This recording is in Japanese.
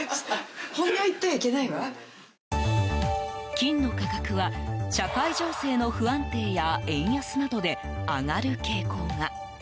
金の価格は社会情勢の不安定や円安などで上がる傾向が。